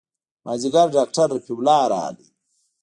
مازديګر ډاکتر رفيع الله راغى.